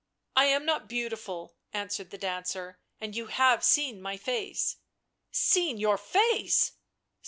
..."" I am not beautiful," answered the dancer; "and you have seen my face "" Seen your face